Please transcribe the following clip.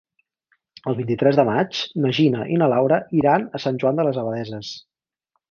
El vint-i-tres de maig na Gina i na Laura iran a Sant Joan de les Abadesses.